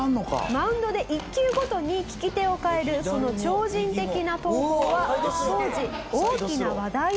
マウンドで１球ごとに利き手を替えるその超人的な投法は当時大きな話題を呼びました。